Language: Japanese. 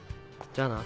じゃあな。